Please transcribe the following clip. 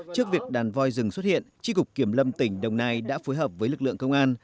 trước việc đàn voi rừng xuất hiện tri cục kiểm lâm tỉnh đồng nai đã phối hợp với lực lượng công an